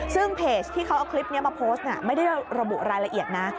ซึ่งเพจที่เขาเอาคลิปนี้มาโพสต์ไม่ได้ระบุรายละเอียดนะ